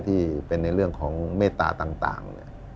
ที่เป็นในเรื่องของเมตตาต่าง